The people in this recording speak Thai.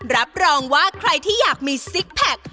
รับรองว่าใครที่อยากมีซิกแพค